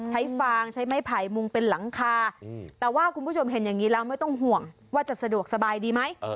ฟางใช้ไม้ไผ่มุงเป็นหลังคาแต่ว่าคุณผู้ชมเห็นอย่างนี้แล้วไม่ต้องห่วงว่าจะสะดวกสบายดีไหม